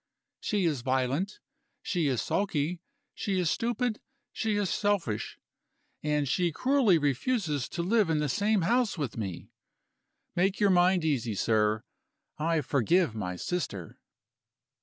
She is violent, she is sulky, she is stupid, she is selfish; and she cruelly refuses to live in the same house with me. Make your mind easy, sir, I forgive my sister."